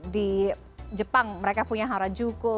di jepang mereka punya harajuku